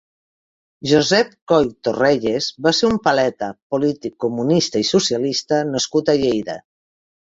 Josep Coll Torrelles va ser un paleta, polític comunista i socialista nascut a Lleida.